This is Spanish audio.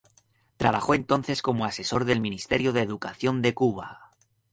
Trabajó entonces como asesor del Ministerio de Educación de Cuba.